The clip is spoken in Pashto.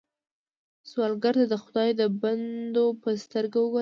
سوالګر ته د خدای د بندو په سترګه وګورئ